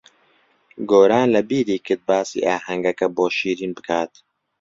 گۆران لەبیری کرد باسی ئاهەنگەکە بۆ شیرین بکات.